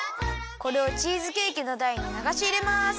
これをチーズケーキのだいにながしいれます。